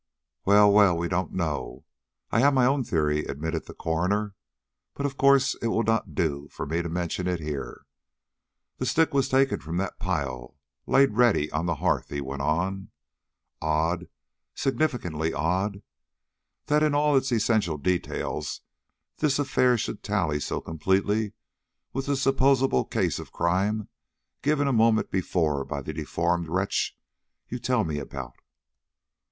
"Well, well, we don't know. I have my own theory," admitted the coroner; "but, of course, it will not do for me to mention it here. The stick was taken from that pile laid ready on the hearth," he went on. "Odd, significantly odd, that in all its essential details this affair should tally so completely with the supposable case of crime given a moment before by the deformed wretch you tell me about."